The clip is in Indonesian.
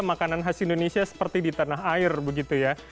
makanan khas indonesia seperti di tanah air begitu ya